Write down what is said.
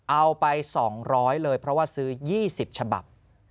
เอาไป๒๐๐เลยเพราะว่าซื้อ๒๐ฉบับ